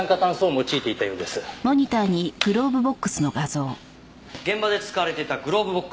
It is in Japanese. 現場で使われていたグローブボックスです。